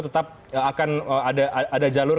tetap akan ada jalur